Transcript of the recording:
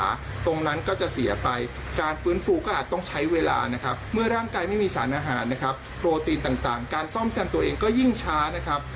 อาหารนะครับโปรตีนต่างการซ่อมแซมตัวเองก็ยิ่งช้านะครับ